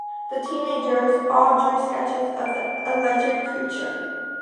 The teenagers all drew sketches of the alleged creature.